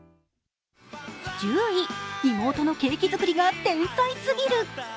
１０位、妹のケーキ作りが天才すぎる。